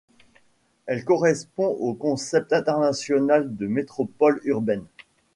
Elle correspond au concept international de métropole urbaine.